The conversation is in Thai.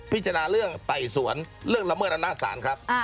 พิจารณาเรื่องไต่สวนเรื่องละเมิดอำนาจศาลครับ